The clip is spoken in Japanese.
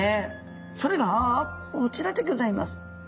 それがこちらでギョざいます。